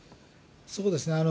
そうですね。